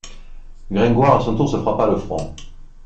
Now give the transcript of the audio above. Gringoire à son tour se frappa le front.